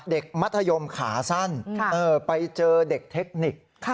มัธยมขาสั้นไปเจอเด็กเทคนิค